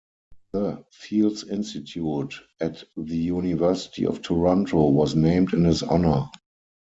The Fields Institute at the University of Toronto was named in his honour.